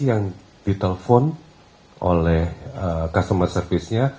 yang ditelepon oleh customer service nya